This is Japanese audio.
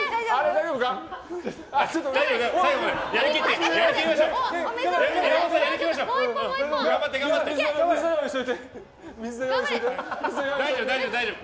大丈夫、大丈夫。